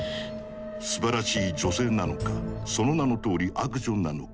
「すばらしい女性」なのか「その名のとおり悪女」なのか。